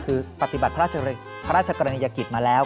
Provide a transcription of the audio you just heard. คือปฏิบัติพระราชกรณียกิจมาแล้ว